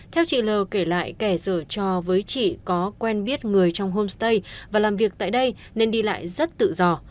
theo chị l kể lại kẻ dở cho với chị có quen biết người trong homestay và làm việc tại đây nên đi lại rất tự do